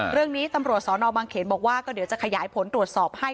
เรื่องนี้ตำรวจสอนอบางเขนบอกว่าก็เดี๋ยวจะขยายผลตรวจสอบให้